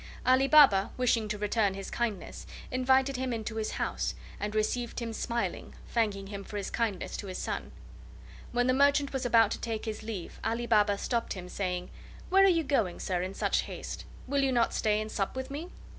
Ali Baba, wishing to return his kindness, invited him into his house and received him smiling, thanking him for his kindness to his son. When the merchant was about to take his leave Ali Baba stopped him, saying: "Where are you going, sir, in such haste? Will you not stay and sup with me?"